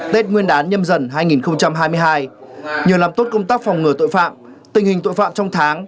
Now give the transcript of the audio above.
tết nguyên đán nhâm dần hai nghìn hai mươi hai nhờ làm tốt công tác phòng ngừa tội phạm tình hình tội phạm trong tháng